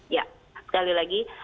ya sekali lagi